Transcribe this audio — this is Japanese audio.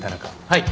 はい。